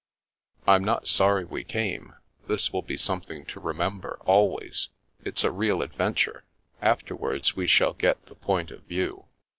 " I'm not sorry we came. This will be something to remember always. It's a real adventure. After wards we shall get the point of view."